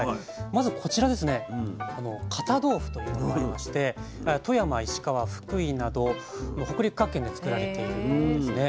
まずこちらですね堅豆腐というものがありまして富山石川福井など北陸各県で作られているんですね。